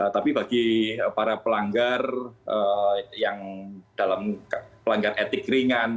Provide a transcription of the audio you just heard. tapi bagi para pelanggar yang dalam pelanggar etik ringan